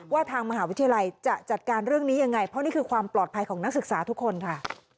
ทางมหาวิทยาลัยจะจัดการเรื่องนี้ยังไงเพราะนี่คือความปลอดภัยของนักศึกษาทุกคนค่ะ